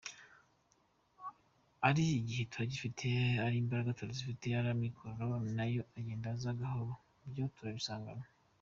Ari igihe turagifite, ari imbaraga turazifite, ari amikoro nayo aragenda aza, gukora byo turabisanganwe.